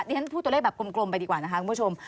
ฉันพูดตัวเลขแบบกลมไปดีกว่านะคะคุณผู้ชม